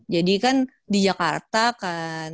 jadi kan di jakarta kan